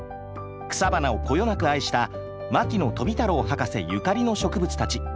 草花をこよなく愛した牧野富太郎博士ゆかりの植物たち。